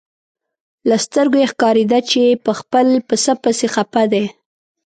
له سترګو یې ښکارېده چې په خپل پسه پسې خپه دی.